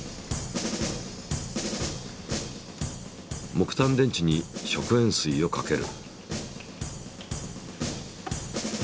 木炭電池に食塩水をかける。